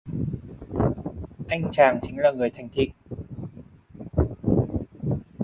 Anh chàng chính là người thành thị